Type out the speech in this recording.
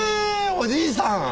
おじいさん！